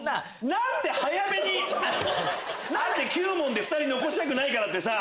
何で早めに９問で２人残したくないからってさ。